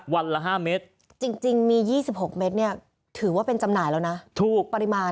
วันละ๕เมตรจริงมี๒๖เมตรเนี่ยถือว่าเป็นจำหน่ายแล้วนะถูกปริมาณ